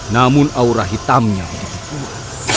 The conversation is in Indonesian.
namun aura hitamnya begitu kuat